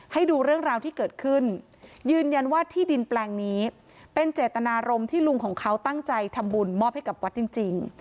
ให้ดูเรื่องราวที่เกิดขึ้นยืนยันว่าที่ดินแปลงนี้เป็นเจตนารมณ์ที่ลุงของเขาตั้งใจทำบุญมอบให้กับวัดจริง